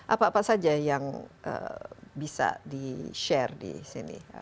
apa apa saja yang bisa di share di sini